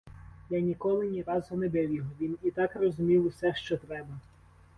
Я ніколи ні разу не бив його, він і так розумів усе, що треба.